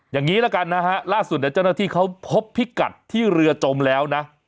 อย่างนี้ละกันนะฮะล่าสุดเนี่ยเจ้าหน้าที่เขาพบพิกัดที่เรือจมแล้วนะ